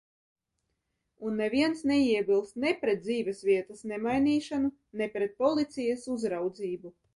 Un neviens neiebilst ne pret parakstu par dzīvesvietas nemainīšanu, ne pret policijas uzraudzību.